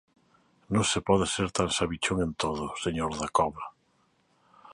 Non se pode ser tan sabichón en todo, señor Dacova.